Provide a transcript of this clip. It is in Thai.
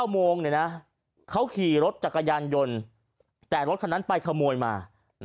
โมงเขาขี่รถจักรยานยนต์แต่รถคันนั้นไปขโมยมา